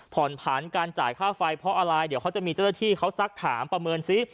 ผ่อนผันการจ่ายค่าไฟเพราะอะไรเดี๋ยวเขาจะมีเจ้าหน้าที่เขาซักถามประเมินซิ